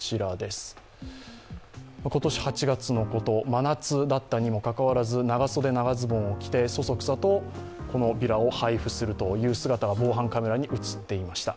今年８月のこと、真夏だったにもかかわらず、長袖・長ズボンを着て、そそくさとビラを配布する姿が防犯カメラに映っていました。